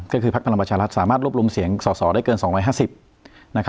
ก็คือพักพลังประชารัฐสามารถรวบรวมเสียงสอสอได้เกิน๒๕๐